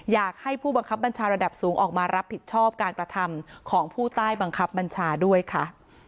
อยากให้ผู้บังคับบัญชาระดับสูงออกมารับผิดชอบการกระทำของผู้ใต้บังคับบัญชาด้วยค่ะ